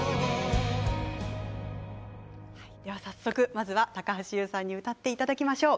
早速まずは高橋優さんに歌っていただきましょう。